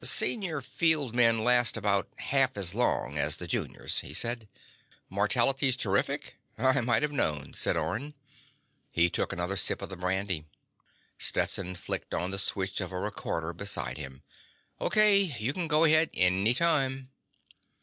"Senior field men last about half as long as the juniors," he said. "Mortality's terrific?" "I might've known," said Orne. He took another sip of the brandy. Stetson flicked on the switch of a recorder beside him. "O.K. You can go ahead any time."